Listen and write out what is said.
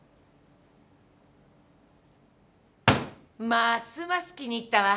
ますます気に入ったわ。